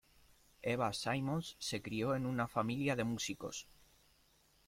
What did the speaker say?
Eva Simons se crio en una familia de músicos.